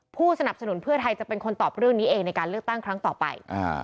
ผู้สนับสนุนเพื่อไทยจะเป็นคนตอบเรื่องนี้เองในการเลือกตั้งครั้งต่อไป